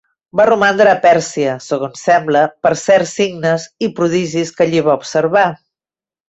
Va romandre a Pèrsia, segons sembla, per certs signes i prodigis que allí va observar.